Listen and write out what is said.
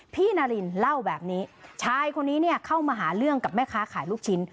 นารินเล่าแบบนี้ชายคนนี้เนี่ยเข้ามาหาเรื่องกับแม่ค้าขายลูกชิ้น